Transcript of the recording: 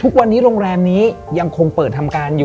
ทุกวันนี้โรงแรมนี้ยังคงเปิดทำการอยู่